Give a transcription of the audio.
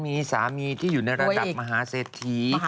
มีสามีที่อยู่ในระดับมหาเศรษฐีมหาเศรษฐี